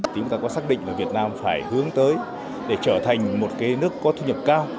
chúng ta có xác định là việt nam phải hướng tới để trở thành một nước có thu nhập cao